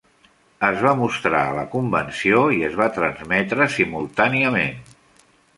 Es va mostrar a la convenció i es va transmetre simultàniament.